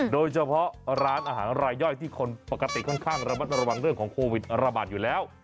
โดยเฉพาะร้านอาหารรายย่อยที่คนปกติค่อนข้างระมัดระวังเรื่องของโควิดระบาดอยู่แล้ว